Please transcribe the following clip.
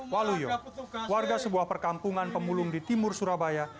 waluyo warga sebuah perkampungan pemulung di timur surabaya